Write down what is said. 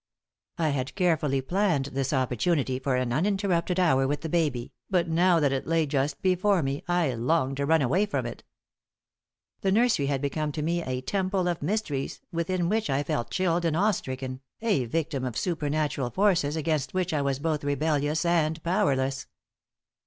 I had carefully planned this opportunity for an uninterrupted hour with the baby, but now that it lay just before me I longed to run away from it. The nursery had become to me a temple of mysteries within which I felt chilled and awe stricken, a victim of supernatural forces against which I was both rebellious and powerless.